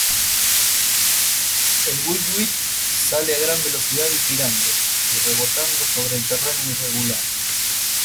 El weet-weet sale a gran velocidad y girando, y rebotando sobre el terreno irregular.